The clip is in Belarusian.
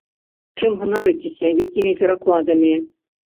Чым ганарыцеся, якімі перакладамі?